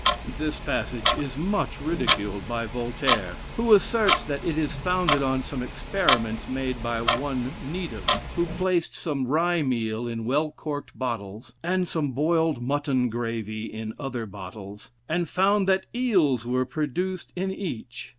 This passage is much ridiculed by Voltaire, who asserts that it is founded on some experiments made by one Needham, who placed some rye meal in well corked bottles, and some boiled mutton gravy in other bottles, and found that eels were produced in each.